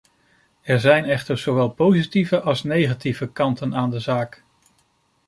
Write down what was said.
Er zijn echter zowel positieve als negatieve kanten aan de zaak.